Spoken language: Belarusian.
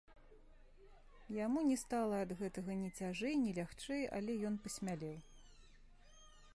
Яму не стала ад гэтага ні цяжэй, ні лягчэй, але ён пасмялеў.